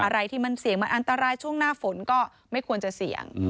อะไรที่มันเสี่ยงมันอันตรายช่วงหน้าฝนก็ไม่ควรจะเสี่ยง